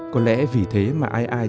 có lẽ vì thế mà ai ai